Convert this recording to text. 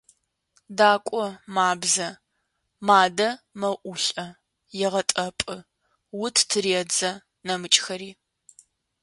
«Дакӏо» – мабзэ, мадэ, мэӏулӏэ, егъэтӏэпӏы, ут тыредзэ, нэмыкӏхэри.